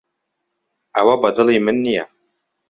ئەوە بەدڵی من نییە.